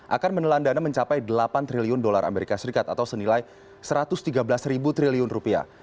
akan menelan dana mencapai delapan triliun dolar amerika serikat atau senilai satu ratus tiga belas triliun rupiah